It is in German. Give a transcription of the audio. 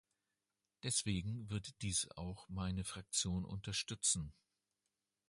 Deswegen wird dies auch meine Fraktion unterstützen.